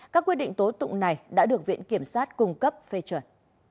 các quyết định tố tụng này đã được viện kiểm sát cung cấp phê chuẩn